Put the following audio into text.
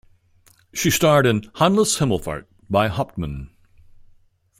She starred in "Hanneles Himmelfahrt" by Hauptmann.